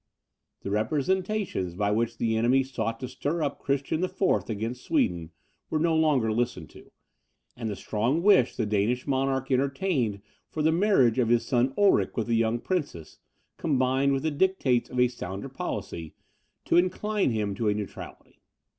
The representations by which the enemy sought to stir up Christian IV. against Sweden were no longer listened to; and the strong wish the Danish monarch entertained for the marriage of his son Ulrick with the young princess, combined, with the dictates of a sounder policy, to incline him to a neutrality.